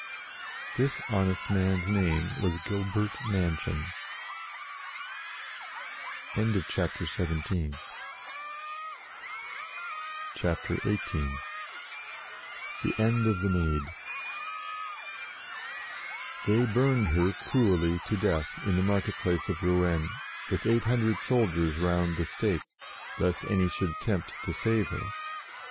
This honest man's name was Gilbert Manchon. CHAPTER XVIII THE END OF THE MAID THEY burned her cruelly to death in the market place of Rouen, with eight hundred soldiers round the stake, lest any should attempt to save her.